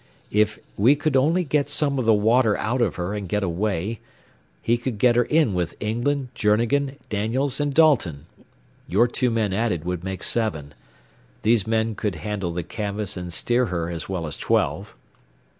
If we could only get some of the water out of her and get away, he could get her in with England, Journegan, Daniels, and Dalton. Your two men added would make seven. These men could handle the canvas and steer her as well as twelve."